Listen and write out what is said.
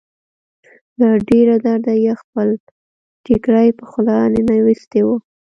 له ډېره درده يې خپل ټيکری په خوله ننوېستی و.